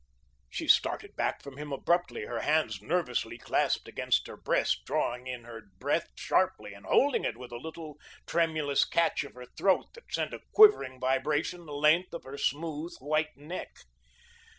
She started back from him abruptly, her hands nervously clasped against her breast, drawing in her breath sharply and holding it with a little, tremulous catch of the throat that sent a quivering vibration the length of her smooth, white neck.